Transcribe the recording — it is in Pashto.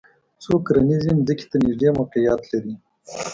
څوک کرنیزې ځمکې ته نږدې موقعیت لري